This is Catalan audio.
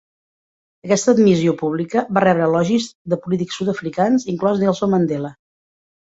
Aquesta admissió pública va rebre elogis de polítics sud-africans, inclòs Nelson Mandela.